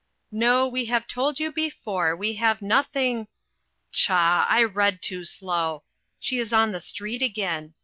"NO, WE HAVE TOLD YOU BEFORE, WE HAVE NOTHING ..." Pshaw! I read too slow she's on the street again.